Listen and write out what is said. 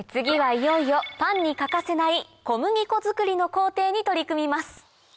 次はいよいよパンに欠かせない小麦粉作りの工程に取り組みます。